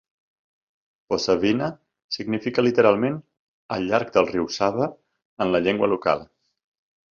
Posavina significa literalment "al llarg del riu Sava" en la llengua local.